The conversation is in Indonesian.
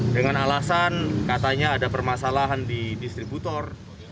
dengan alasan katanya ada permasalahan di distributor